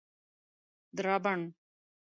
درابڼ